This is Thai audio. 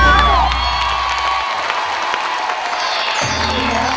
ได้แล้วได้แล้วได้แล้ว